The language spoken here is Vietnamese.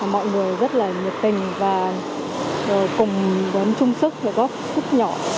mọi người rất là nhiệt tình và cùng đón chung sức để góp sức nhỏ